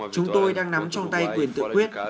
chúng tôi đang nắm trong tay quyền tự quyết